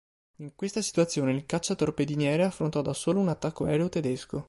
In questa situazione il cacciatorpediniere affrontò da solo un attacco aereo tedesco.